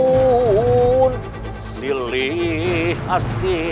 sing silih asih